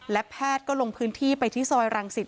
และแพทย์ก็ลงพื้นที่ไปที่ซอยรังสิต